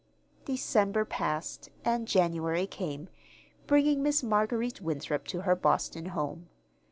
December passed, and January came, bringing Miss Marguerite Winthrop to her Boston home.